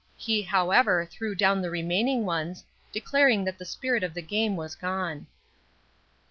He, however, threw down the remaining ones, declaring that the spirit of the game was gone.